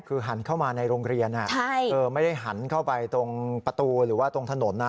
คือหันเข้ามาในโรงเรียนไม่ได้หันเข้าไปตรงประตูหรือว่าตรงถนนนะ